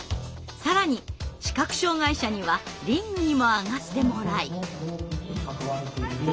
更に視覚障害者にはリングにも上がってもらい。